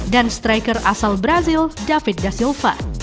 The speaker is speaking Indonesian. dan striker asal brazil david da silva